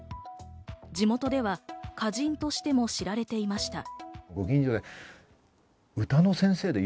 地元では歌人としても知られていました。